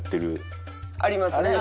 ありますね。